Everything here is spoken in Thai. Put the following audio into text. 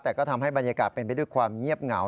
แต่ก็ทำให้บรรยากาศเป็นไปด้วยความเงียบเหงา